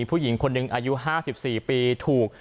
ผู้หญิงคนนึงอายุห้าสิบสี่ปีถูก